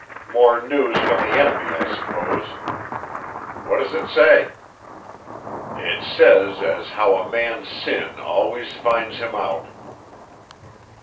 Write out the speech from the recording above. "More news from the enemy, I suppose. What does it say?" "It says as how a man's sin always finds him out."